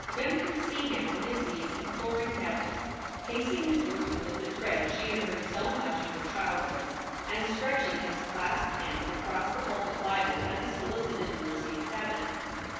Mem could see him on his knees imploring Heaven, pacing his room with the tread she had heard so much in her child hood, and stretching his clasped hands across the pulpit Bible as he solicited mercy of Heaven.